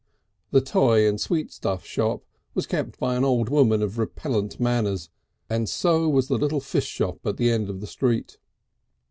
The toy and sweetstuff shop was kept by an old woman of repellent manners, and so was the little fish shop at the end of the street.